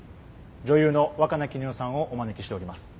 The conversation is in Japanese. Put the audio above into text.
女優の若菜絹代さんをお招きしております。